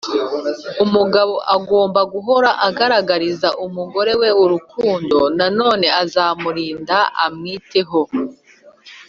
Umugabo agomba guhora agaragariza umugore we urukundo Nanone azamurinda amwiteho